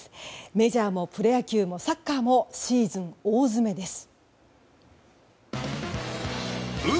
メジャーもプロ野球もサッカーもシーズン大詰めです。